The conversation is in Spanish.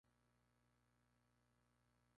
Las tres grabaron tres canciones, pero fracasaron.